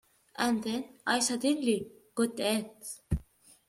And then I suddenly got it.